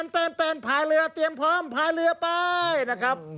แฟนพายเรือเตรียมพร้อมพายเรือไปนะครับ